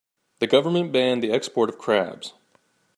The government banned the export of crabs.